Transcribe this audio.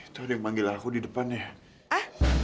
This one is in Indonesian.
tuh ada yang manggil aku di depannya